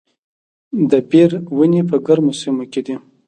د بیر ونې په ګرمو سیمو کې دي؟